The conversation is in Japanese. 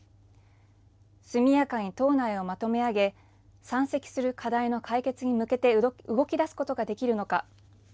速やかに党内をまとめあげ山積する課題の解決に向けて動き出すことができるのか。